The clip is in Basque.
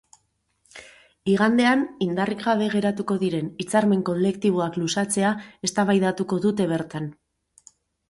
Igandean indarrik gabe geratuko diren hitzarmen kolektiboak luzatzea eztabaidatuko dute bertan.